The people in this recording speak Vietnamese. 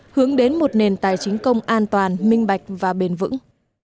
hướng đến một nền tài chính công an toàn minh bạch và bền vững